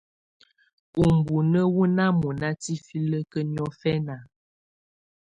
Ubunǝ́ wù nà mɔ̀na tifilǝ́kǝ́ niɔ̀fɛna.